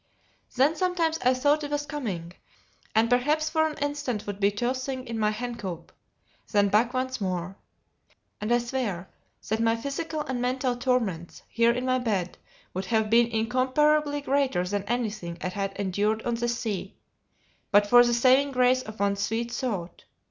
Then sometimes I thought it was coming; and perhaps for an instant would be tossing in my hen coop; then back once more. And I swear that my physical and mental torments, here in my bed, would have been incomparably greater than anything I had endured on the sea, but for the saving grace of one sweet thought.